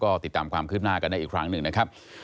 ก็ติดตามความคืบหน้ากันได้อีกครั้งหนึ่งนะครับ